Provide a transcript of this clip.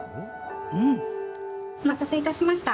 お待たせいたしました。